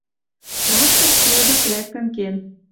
Трактор строй гӹц лӓктӹн кен